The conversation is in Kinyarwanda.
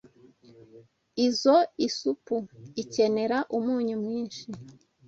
Izoi supu ikenera umunyu mwinshi.